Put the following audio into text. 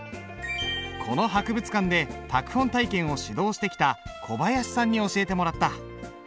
この博物館で拓本体験を指導してきた小林さんに教えてもらった。